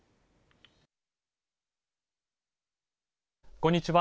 こんにちは。